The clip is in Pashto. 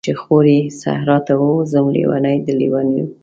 چی خوری صحرا ته ووځم، لیونۍ د لیونیو